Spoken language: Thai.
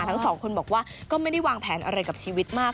ทั้งสองคนบอกว่าก็ไม่ได้วางแผนอะไรกับชีวิตมาก